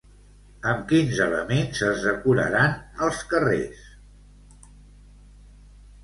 Amb quins elements es decoraran els carrers?